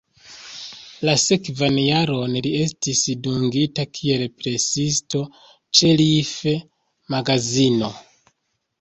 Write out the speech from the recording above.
La sekvan jaron li estis dungita kiel presisto ĉe "Life"-magazino.